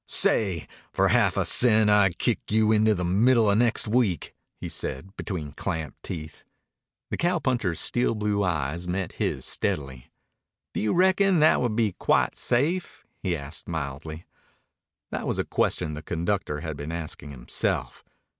"Say, for half a cent I'd kick you into the middle of next week," he said, between clamped teeth. The cowpuncher's steel blue eyes met his steadily. "Do you reckon that would be quite safe?" he asked mildly. That was a question the conductor had been asking himself.